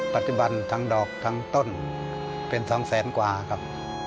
ปัจจุบันทั้งดอกทั้งต้นเป็น๒แสนกว่าครับ